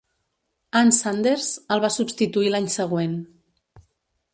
Ann Sanders el va substituir l'any següent.